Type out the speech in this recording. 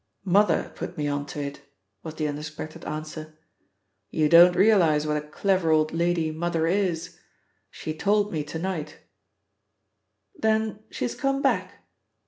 "Mother put me on to it," was the unexpected answer. "You don't realise what a clever old lady Mother is. She told me to night " "Then she's come back?"